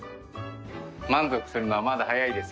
満足するのはまだ早いですよ。